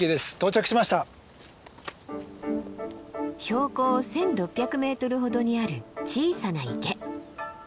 標高１，６００ｍほどにある小さな池。